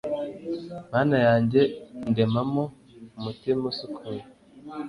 mana yanjye, ndemamo umutima usukuye